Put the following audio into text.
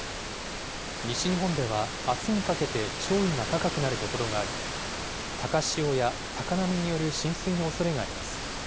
西日本ではあすにかけて潮位が高くなる所があり、高潮や高波による浸水のおそれがあります。